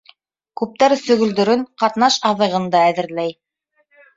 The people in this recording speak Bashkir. Күптәр сөгөлдөрөн, ҡатнаш аҙығын да әҙерләй.